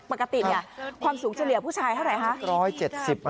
ปกติเนี่ยความสูงเฉลี่ยผู้ชายเท่าไหร่คะ